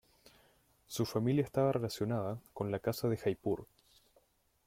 Su familia estaba relacionada con la Casa de Jaipur.